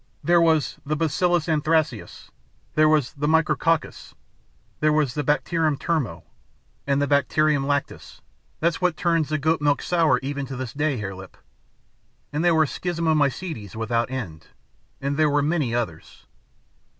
There was the bacillus anthracis; there was the micrococcus; there was the Bacterium termo, and the Bacterium lactis that's what turns the goat milk sour even to this day, Hare Lip; and there were Schizomycetes without end. And there were many others...."